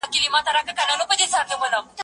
زه کولای سم زده کړه وکړم!؟